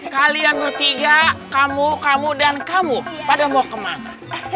kalian bertiga kamu kamu dan kamu pada mau kemana